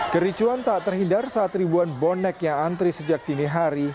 kericuan tak terhindar saat ribuan bonek yang antri sejak dini hari